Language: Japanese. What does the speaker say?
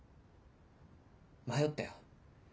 ・迷ったよ。